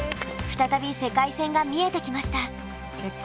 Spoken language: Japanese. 再び世界戦が見えてきました。